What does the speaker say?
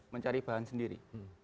mencari bahan sendiri